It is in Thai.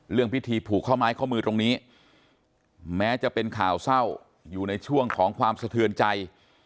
พิธีผูกข้อไม้ข้อมือตรงนี้แม้จะเป็นข่าวเศร้าอยู่ในช่วงของความสะเทือนใจ